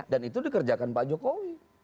dan itu dikerjakan pak jokowi